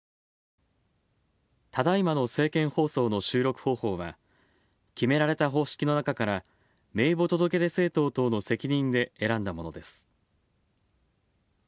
ただいまの政見放送の収録方法は、決められた方式の中から名簿届出政党等の責任で選んだものです。